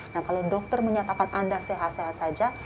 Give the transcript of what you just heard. nah kalau dokter menyatakan anda sehat sehat saja